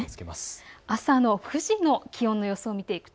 朝の９時の気温の予想です。